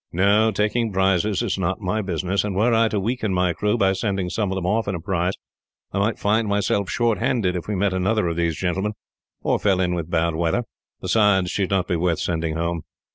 "No, taking prizes is not my business; and were I to weaken my crew, by sending some of them off in a prize, I might find myself short handed if we met another of these gentlemen, or fell in with bad weather. Besides, she would not be worth sending home."